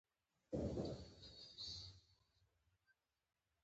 چې زموږ په کلي کښې دې داسې بې شرمه نجلۍ پيدا سي.